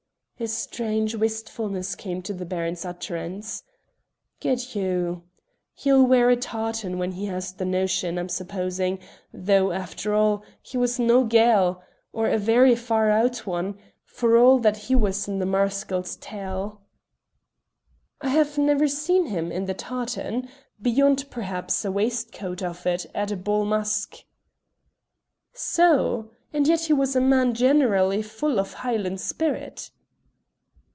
a strange wistfulness came to the Baron's utterance "Good Hugh! he'll wear tartan when he has the notion, I'm supposing, though, after all, he was no Gael, or a very far out one, for all that he was in the Marischal's tail." "I have never seen him in the tartan, beyond perhaps a waistcoat of it at a bal masque." "So? And yet he was a man generally full of Highland spirit."